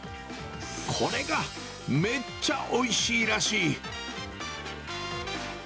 これが、めっちゃおいしいらしい。